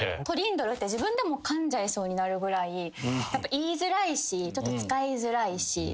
トリンドルって自分でもかんじゃいそうになるぐらい言いづらいし使いづらいし。